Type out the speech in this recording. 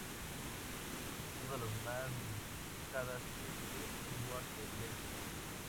Uno de los más destacadas es Sir Edward de Lisle.